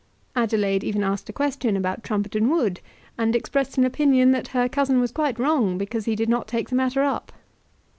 Adelaide even asked a question about Trumpeton Wood, and expressed an opinion that her cousin was quite wrong because he did not take the matter up.